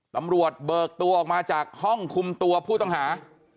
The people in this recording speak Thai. เบิกตัวออกมาจากห้องคุมตัวผู้ต้องหา